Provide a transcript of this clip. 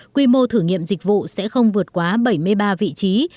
quy mô thử nghiệm dịch vụ sẽ không vượt quá bảy mươi ba vị trí